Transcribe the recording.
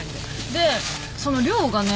でその量がね。